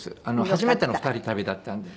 初めての二人旅だったので。